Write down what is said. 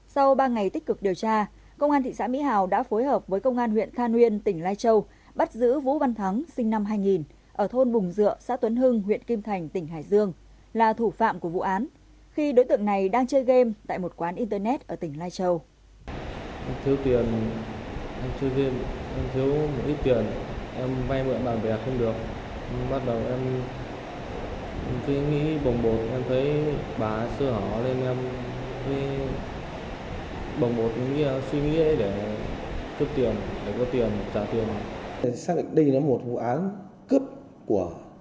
sau ba ngày tích cực điều tra công an huyện than nguyên tỉnh lai châu bắt giữ vũ văn thắng sinh năm hai nghìn ở tỉnh lai châu bắt giữ vũ văn thắng sinh năm hai nghìn ở tỉnh lai châu